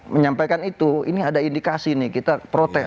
menyampaikan itu ini ada indikasi nih kita protes